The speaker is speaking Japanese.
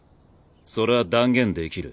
それは断言できる。